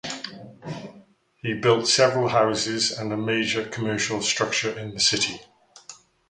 He built several houses and a major commercial structure in the city.